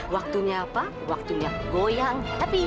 waktunya apa waktunya goyang